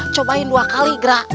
cobain dua kali gra